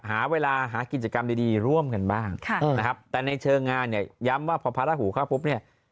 หาเวลาหากิจกรรมดีร่วมกันบ้างนะครับแต่ในเชิงงานเนี่ยย้ำว่าพอพระราหูเข้าปุ๊บเนี่ย